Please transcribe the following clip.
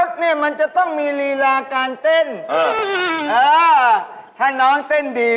พิตติยังไงแอตเตยังไง